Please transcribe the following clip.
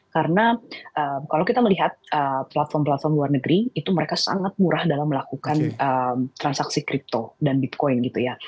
karena kalau kita melihat platform platform luar negeri itu mereka sangat murah dalam melakukan transaksi kripto dan bitcoin gitu ya